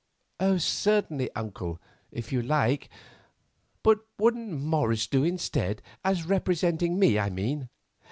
"Certainly, uncle, if you like; but wouldn't Morris do instead—as representing me, I mean?"